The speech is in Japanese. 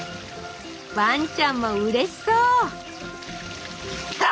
ワンちゃんもうれしそう！